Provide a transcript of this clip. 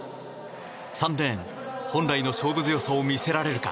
３レーン本来の勝負強さを見せられるか。